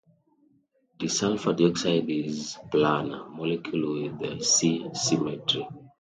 Disulfur dioxide is planar molecule with C symmetry.